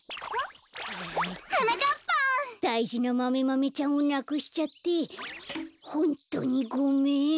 だいじなマメマメちゃんをなくしちゃってホントにごめん！